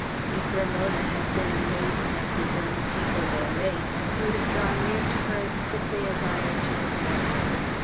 If Ramona had been a maiden of his own people or race, he would have drawn near to her as quickly as iron to the magnet.